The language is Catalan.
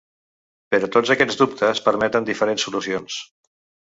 Però tots aquests dubtes permeten diferents solucions.